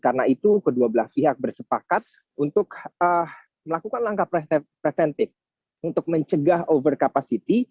karena itu kedua belah pihak bersepakat untuk melakukan langkah preventif untuk mencegah overcapacity